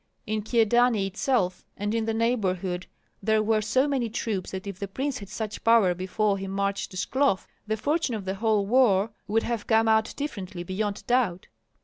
In Kyedani itself and in the neighborhood there were so many troops that if the prince had such power before he marched to Shklov the fortune of the whole war would have come out differently beyond doubt.